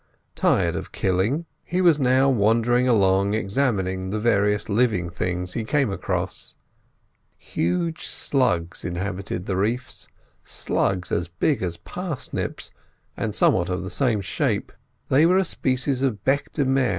Tired of killing, he was now wandering along, examining the various living things he came across. Huge slugs inhabited the reef, slugs as big as parsnips, and somewhat of the same shape; they were a species of Bech de mer.